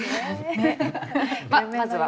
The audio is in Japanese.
まあまずは。